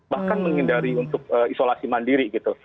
bahkan menghindari untuk isolasi mandiri gitu